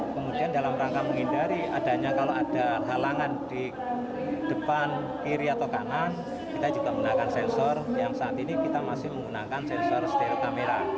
kemudian dalam rangka menghindari adanya kalau ada halangan di depan kiri atau kanan kita juga menggunakan sensor yang saat ini kita masih menggunakan sensor steer kamera